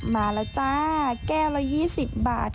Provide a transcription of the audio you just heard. มาแล้วจ้าแก้วละ๒๐บาท